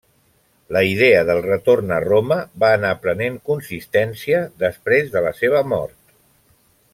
La idea del retorn a Roma va anar prenent consistència després de la seva mort.